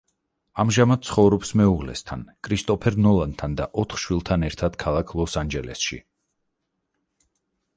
ამჟამად ცხოვრობს მეუღლესთან კრისტოფერ ნოლანთან და ოთხ შვილთან ერთად ქალაქ ლოს-ანჯელესში.